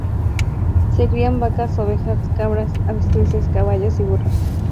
Se crían vacas, ovejas, cabras, avestruces, caballos y burros.